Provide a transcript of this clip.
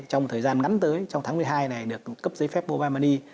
trong thời gian ngắn tới trong tháng một mươi hai này được cấp giấy phép mobile money